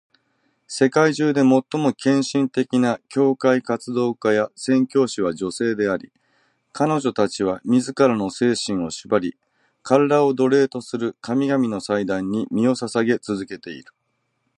世界中で最も献身的な教会活動家や宣教師は女性であり、彼女たちは自らの精神を縛り、身体を奴隷とする神々の祭壇に身を捧げ続けている。